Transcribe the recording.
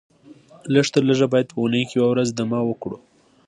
لږ تر لږه باید په اونۍ کې یوه ورځ دمه وکړو